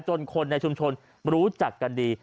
คนในชุมชนรู้จักกันดี